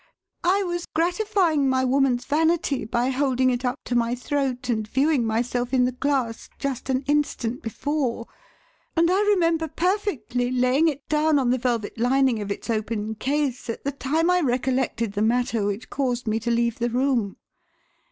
I was gratifying my woman's vanity by holding it up to my throat and viewing myself in the glass just an instant before, and I remember perfectly, laying it down on the velvet lining of its open case at the time I recollected the matter which caused me to leave the room."